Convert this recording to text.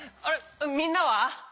みんなは？